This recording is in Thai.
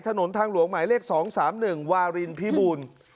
ถนนทางหลวงหมายเลข๒๓๑วารินพิบูรณ์